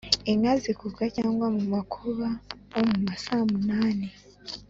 Inka zikuka cyangwa mu makuka (nko mu masaa munani)